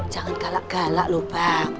bang jangan galak galak loh bang